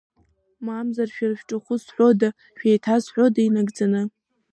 Мамзар, шәара шәҿахәы зҳәода, шәеиҭазҳәода инагӡаны?